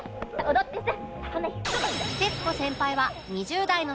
踊ってさ。